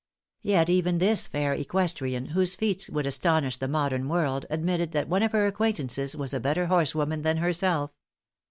Yet even this fair equestrian, whose feats would astonish the modern world, admitted that one of her acquaintances was a better horsewoman than herself.